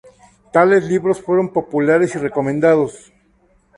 Tales libros fueron populares y recomendados.